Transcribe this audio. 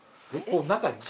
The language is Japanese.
こう中に？